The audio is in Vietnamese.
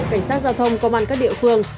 cảnh sát giao thông công an các địa phương